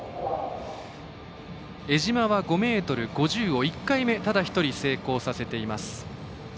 江島は５ｍ５０を１回目ただ１人成功させています。